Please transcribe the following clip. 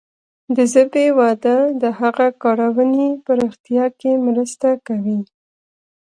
د ژبې وده د هغه کارونې پراختیا کې مرسته کوي.